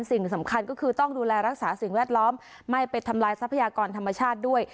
สิ่งสำคัญก็คือต้องดูแลรักษาสิ่งแวดล้อมไม่ไปทำลายทรัพยากรธรรมชาติด้วย